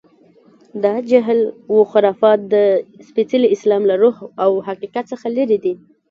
دا جهل و خرافات د سپېڅلي اسلام له روح و حقیقت څخه لرې دي.